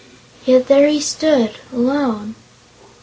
Yet there he stood, alone.